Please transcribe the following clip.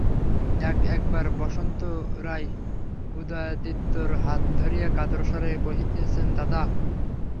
এক-একবার বসন্ত রায় উদয়াদিত্যের হাত ধরিয়া কাতর স্বরে কহিতেছেন, দাদা।